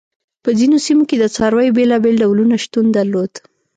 په ځینو سیمو کې د څارویو بېلابېل ډولونه شتون درلود.